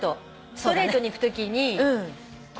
ストレートに行くときにこう遠回り。